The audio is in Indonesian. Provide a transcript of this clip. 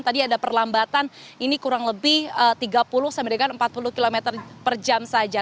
tadi ada perlambatan ini kurang lebih tiga puluh sampai dengan empat puluh km per jam saja